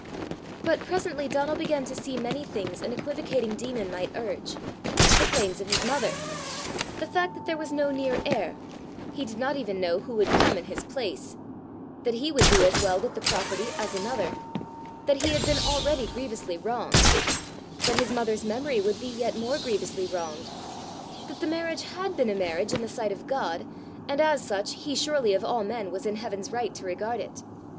But presently Donal began to see many things an equivocating demon might urge: the claims of his mother; the fact that there was no near heir he did not even know who would come in his place; that he would do as well with the property as another; that he had been already grievously wronged; that his mother's memory would be yet more grievously wronged; that the marriage had been a marriage in the sight of God, and as such he surely of all men was in heaven's right to regard it!